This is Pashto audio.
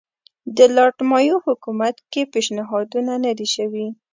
د لارډ مایو حکومت کې پېشنهادونه نه دي شوي.